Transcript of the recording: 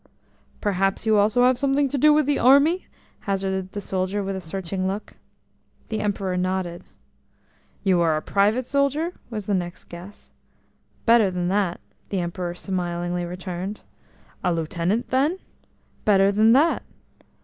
"Perhaps you also have something to do with the army?" hazarded the soldier with a searching look. The Emperor nodded. "You are a private soldier?" was the next guess. "Better than that," the Emperor smilingly returned. "A Lieutenant, then?" "Better than that!"